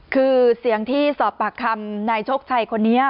คือเสียงที่สอบปากคำนายโชคชัยคนนี้